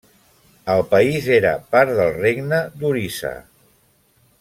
El país era part del regne d'Orissa.